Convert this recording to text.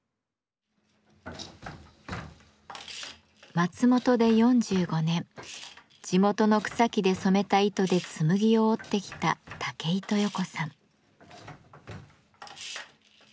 松本で４５年地元の草木で染めた糸で紬を織ってきた武井豊子さん。